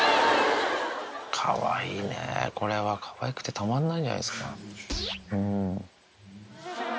かわいいね、これはかわいくてたまんないんじゃないですか。